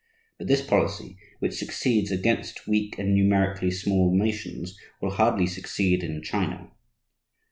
But this policy, which succeeds against weak and numerically small nations, will hardly succeed in China.